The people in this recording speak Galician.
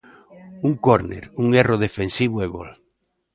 Un córner, un erro defensivo e gol.